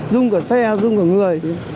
rung cả xe rung cả người